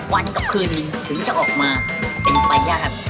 วันกับคืนนึงถึงจะออกมาเป็นไปยากครับ